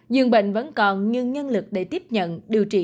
dường bệnh vẫn còn nhưng nhân lực để tiếp nhận điều trị